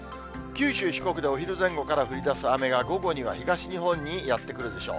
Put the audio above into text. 九州、四国でお昼前後から降りだす雨が、午後には東日本にやって来るでしょう。